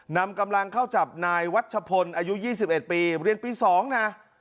นำกำลังเข้าจับนายวัชพลอายุ๒๑ปีเรียนปี๒นะ